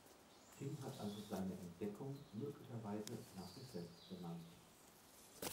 Ting hat also seine Entdeckung möglicherweise nach sich selbst benannt.